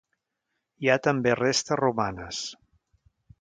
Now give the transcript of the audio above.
Hi ha també restes romanes.